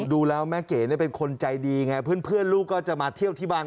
ดูแล้วแม่เก๋เป็นคนใจดีไงเพื่อนลูกก็จะมาเที่ยวที่บ้าน